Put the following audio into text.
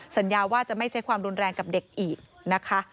สัญญาว่าจะไม่ใช้ความรุนแรงกับเด็กอีกนะคะ